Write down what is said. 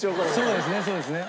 そうですねそうですね。